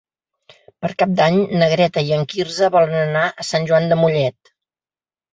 Per Cap d'Any na Greta i en Quirze volen anar a Sant Joan de Mollet.